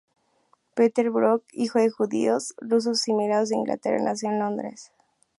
Peter Brook, hijo de judíos rusos emigrados a Inglaterra, nació en Londres.